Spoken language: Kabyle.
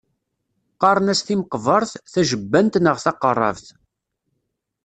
Qqaren-as timeqbert, tajebbant neɣ taqerrabt.